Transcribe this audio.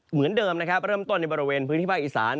เหมือนเดิมนะครับเริ่มต้นในบริเวณพื้นที่ภาคอีสาน